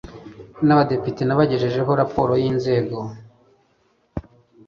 n abadepite n abagejejeho raporo y inzego